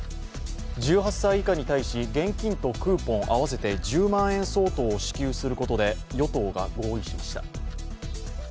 １８歳以下に対し、現金とクーポン合わせて１０万円相当を支給することで与党が合意しました。